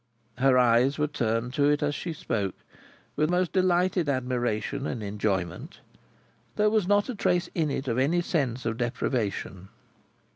Her eyes were turned to it as she spoke, with most delighted admiration and enjoyment. There was not a trace in it of any sense of deprivation.